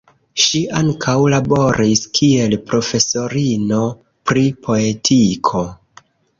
Ŝi ankaŭ laboris kiel profesorino pri poetiko.